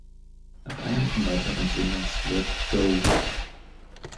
Nach einigen weiteren Singles wird "Go!